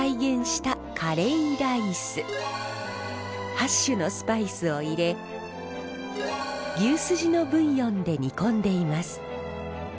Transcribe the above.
８種のスパイスを入れ牛すじのブイヨンで煮込んでいます。